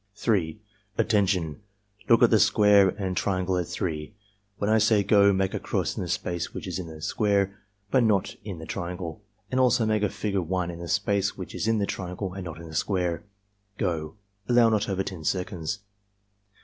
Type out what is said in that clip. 3. "Attention! Look at the square and triangle at 3. When I say 'go' make a cross in the space which is in the square but not in the triangle, and also make a figure 1 in the space which is in the triangle and in the square. — Go!" (Allow not over 10 seconds.)